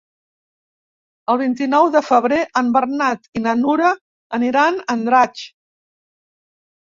El vint-i-nou de febrer en Bernat i na Nura aniran a Andratx.